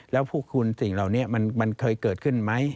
แล้วพวกคุณสิ่งเหล่านี้มันเคยเกิดขึ้นไหม